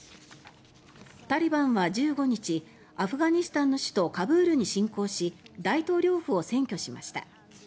タリバンは１５日アフガニスタンの首都カブールに侵攻し大統領府を占拠しました。